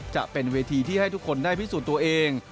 จะเป็นเวทีที่ให้ทุกคนได้พิสูจน์ตัวเอง